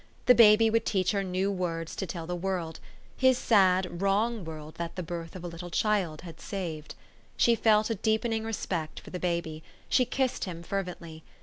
The baby would teach her new words to tell the world, His sa'd, wrong world that the birth of a little child had saved. She felt a deepening respect for the baby. She kissed him fervently.